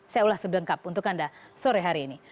saya ulas sebelengkap untuk anda sore hari ini